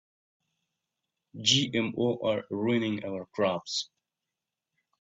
GMO are ruining our crops.